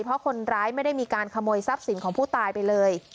เพราะคนร้ายไม่ได้มีการขโมยทรัพย์สินของผู้ตายไปเลย